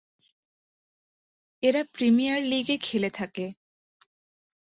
এরা প্রিমিয়ার লীগে খেলে থাকে।